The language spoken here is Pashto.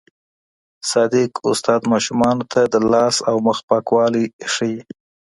صادق استاد ماشومانو ته د لاس او مخ پاکوالی ښووي.